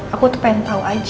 aku tuh pengen tahu aja